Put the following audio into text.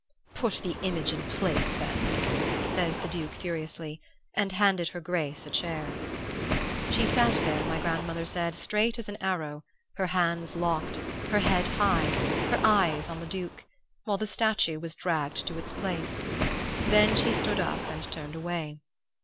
"'Put the image in place then,' says the Duke furiously; and handed her grace to a chair. "She sat there, my grandmother said, straight as an arrow, her hands locked, her head high, her eyes on the Duke, while the statue was dragged to its place; then she stood up and turned away.